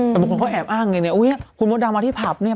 แต่บางคนเขาแอบอ้างไงเนี่ยอุ้ยคุณมดดำมาที่ผับเนี่ย